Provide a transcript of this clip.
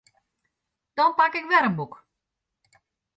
Dan pak ik wer in boek.